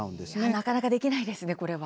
なかなかできないですねこれは。